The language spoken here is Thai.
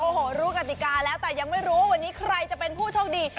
โอ้โหรู้กติกาแล้วแต่ยังไม่รู้วันนี้ใครจะเป็นผู้โชคดี